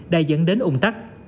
đã dẫn đến ủng tắc